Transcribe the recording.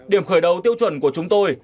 điểm khởi đầu tiêu chuẩn của chúng tôi